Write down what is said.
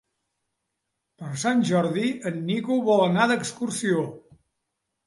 Per Sant Jordi en Nico vol anar d'excursió.